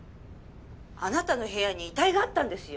「あなたの部屋に遺体があったんですよ！」